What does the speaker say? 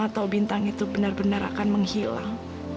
atau bintang itu benar benar akan menghilang